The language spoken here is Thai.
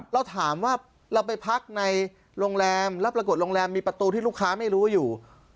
เราถามว่าเราไปพักในโรงแรมแล้วปรากฏโรงแรมมีประตูที่ลูกค้าไม่รู้อยู่